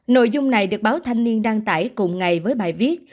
nội dung này được báo thanh niên đăng tải cùng ngày với bài viết